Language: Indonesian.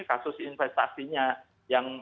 kasus investasinya yang